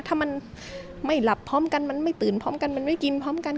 ถ้ามันไม่หลับพร้อมกันมันไม่ตื่นพร้อมกันมันไม่กินพร้อมกัน